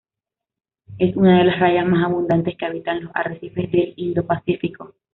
Es una de las rayas más abundantes que habitan los arrecifes del Indo-Pacífico.